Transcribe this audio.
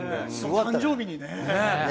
誕生日にねえ。